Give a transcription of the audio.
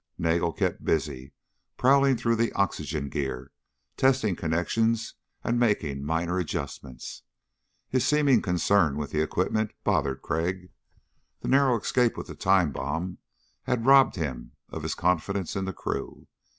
Nagel kept busy prowling through the oxygen gear, testing connections and making minor adjustments. His seeming concern with the equipment bothered Crag. The narrow escape with the time bomb had robbed him of his confidence in the crew.